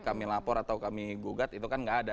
kami lapor atau kami gugat itu kan nggak ada